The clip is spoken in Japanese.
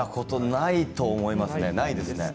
ないです。